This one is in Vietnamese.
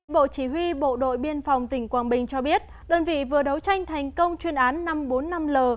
bộ chỉ huy bộ đội biên phòng tỉnh quảng bình cho biết đơn vị vừa đấu tranh thành công chuyên án năm trăm bốn mươi năm l